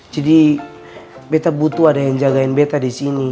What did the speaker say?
jadi beta butuh ada yang jagain beta disini